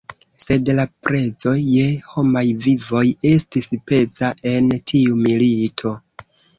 Sed la prezo je homaj vivoj estis peza en tiu milito.